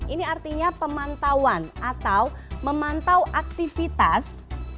ini artinya pemantauan atau memantau aktivitas